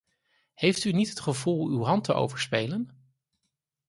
Heeft u niet het gevoel uw hand te overspelen?